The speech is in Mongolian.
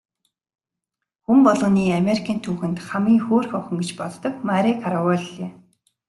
Хүн болгоны Америкийн түүхэн дэх хамгийн хөөрхөн охин гэж боддог Мари Караволли.